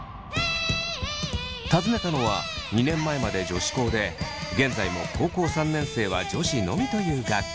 訪ねたのは２年前まで女子校で現在も高校３年生は女子のみという学校。